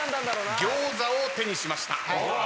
餃子を手にしました。